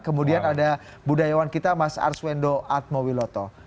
kemudian ada budayawan kita mas arswendo atmowiloto